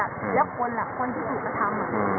และคนหลักคนที่ถูกทำ